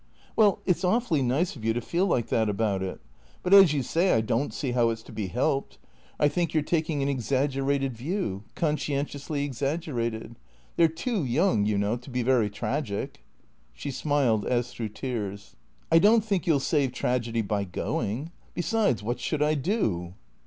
" Well, it 's awfully nice of you to feel like that about it. But as you say, I don't see how it 's to be helped. I think you 're 466 THE CKEA TORS taking an exaggerated view — conscientiously exaggerated. They 're too young, you Ivnow, to be very tragic." She smiled as through tears. " I don't think you 'U save tragedy by going. Besides, what should I do?"